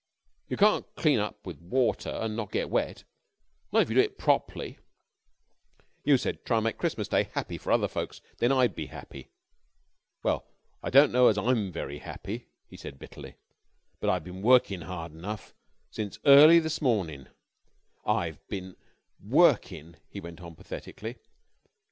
You can't clean up with water an' not get wet not if you do it prop'ly. You said to try an' make Christmas Day happy for other folks and then I'd be happy. Well, I don't know as I'm very happy," he said, bitterly, "but I've been workin' hard enough since early this mornin'. I've been workin'," he went on pathetically.